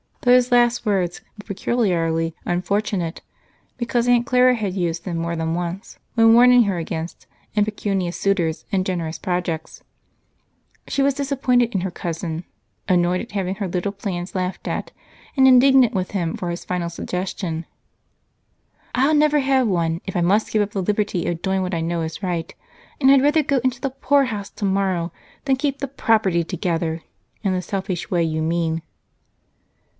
Those last words were peculiarly unfortunate, because Aunt Clara had used them more than once when warning her against impecunious suitors and generous projects. She was disappointed in her cousin, annoyed at having her little plans laughed at, and indignant with him for his final suggestion. "I'll never have one, if I must give up the liberty of doing what I know is right, and I'd rather go into the poorhouse tomorrow than 'keep the property together' in the selfish way you mean!"